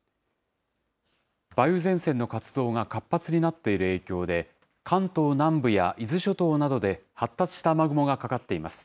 梅雨前線の活動が活発になっている影響で、関東南部や伊豆諸島などで、発達した雨雲がかかっています。